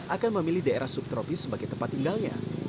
akan memilih daerah subtropis sebagai tempat tinggalnya